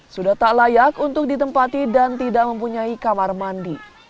sudah tak layak untuk ditempati dan tidak mempunyai kamar mandi